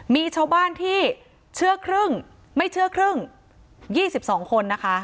มีชาวบ้านที่เชื่อครึ่งไม่เชื่อครึ่ง๒๒คนนะคะ